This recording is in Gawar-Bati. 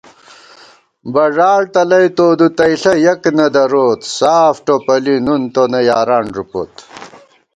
بݫاڑ تلَئ تو دُتَئیݪہ یَک نہ دروت، ساف ٹوپَلی نُن تونہ یاران ݫُپوت